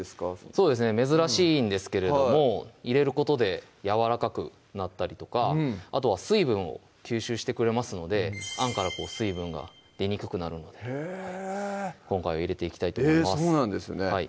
そうですね珍しいんですけれども入れることでやわらかくなったりとかあとは水分を吸収してくれますので餡から水分が出にくくなるのでへぇ今回は入れていきたいと思いますそうなんですね